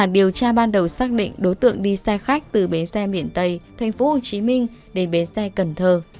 điều tra ban đầu xác định đối tượng đi xe khách từ bến xe miền tây thành phố hồ chí minh đến bến xe cần thơ